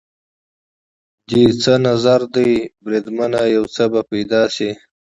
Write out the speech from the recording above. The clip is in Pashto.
دې څه نظر دی بریدمنه؟ یو څه به پیدا شي.